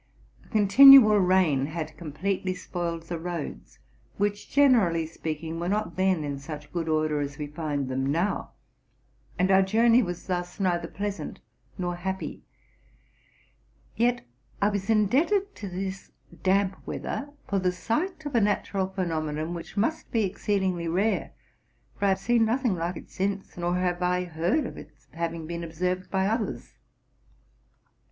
A continual rain had completely spoiled the roads, which, generally speaking, were not then in such good order as we find them now; and our journey was thus neither RELATING TO MY LIFE. 201 pleasant nor happy. Yet I was indebted to this damp weather for the sight of a natural phenomenon which must be exceedingly rare, for I have seen nothing like it since, nor have I heard of its having been observed by others.